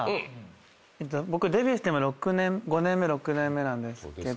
僕デビューして今５年目６年目なんですけど。